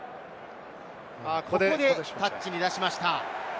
ここでタッチに出しました。